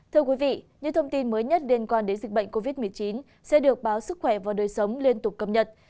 thưa quý vị những thông tin mới nhất liên quan đến dịch bệnh covid một mươi chín sẽ được báo sức khỏe và đời sống liên tục cập nhật